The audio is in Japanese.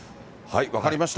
分かりました。